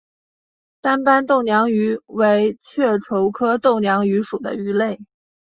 单斑豆娘鱼为雀鲷科豆娘鱼属的鱼类。